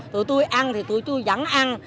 tụi tôi ăn thì tụi tôi vẫn ăn